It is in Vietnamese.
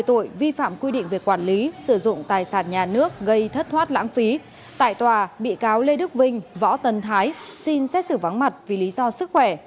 tại tòa bị cáo lê đức vinh võ tân thái xin xét xử vắng mặt vì lý do sức khỏe